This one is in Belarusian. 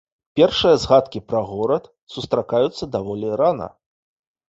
Першыя згадкі пра горад сустракаюцца даволі рана.